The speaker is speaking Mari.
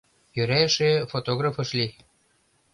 Йӧра эше фотограф ыш лий.